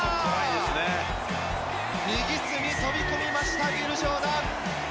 右隅、飛び込みました、ウィル・ジョーダン。